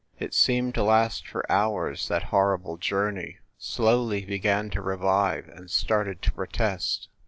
It seemed to last for hours, that horrible journey. Slowly he began to revive, and started to protest.